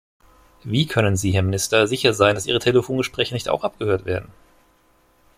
Wie können Sie, Herr Minister, sicher sein, dass ihre Telefongespräche nicht auch abgehört werden?